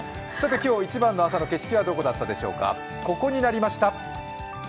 今日、今朝一番の景色はどこだったでしょうか。